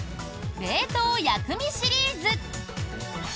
冷凍薬味シリーズ。